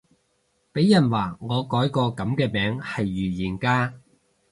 俾人話我改個噉嘅名係預言家